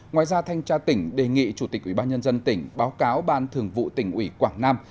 ngoài ra thanh tra tỉnh đề nghị chủ tịch ubnd tỉnh báo cáo ban thường vụ tỉnh ủy quảng nam